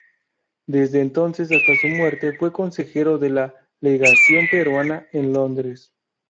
Desde entonces hasta su muerte fue consejero de la legación peruana en Londres.